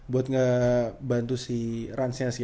buat ngebantu si ransnya sih